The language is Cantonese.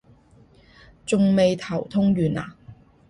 仲未頭痛完啊？